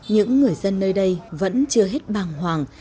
những người dân nơi đây vẫn chưa hết bàng hoàng